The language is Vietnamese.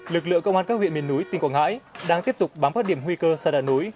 lực lượng công an các huyện miền núi tỉnh quảng hải đang tiếp tục bám các điểm huy cơ sạt lở núi